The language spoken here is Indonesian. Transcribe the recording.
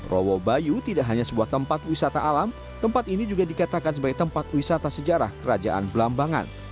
rowo bayu tidak hanya sebuah tempat wisata alam tempat ini juga dikatakan sebagai tempat penyelenggaraan